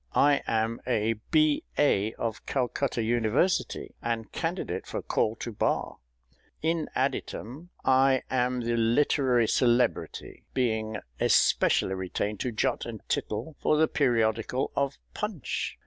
I am a B.A. of Calcutta University, and candidate for call to Bar. In additum, I am the literary celebrity, being especially retained to jot and tittle for the periodical of Punch."